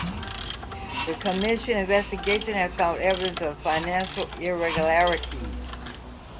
The Commission investigation had found evidence of financial irregularities.